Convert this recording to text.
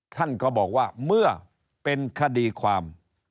ท่านก็บอกว่าเมื่อเป็นคดีความ